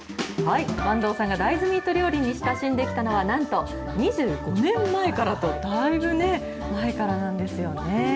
坂東さんが大豆ミート料理に親しんできたのは、なんと２５年前からと、だいぶ前からなんですよね。